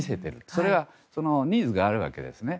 それはニーズがあるわけですね。